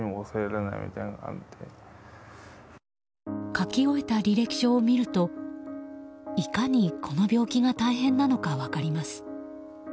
書き終えた履歴書を見るといかにこの病気が大変なのか分かります。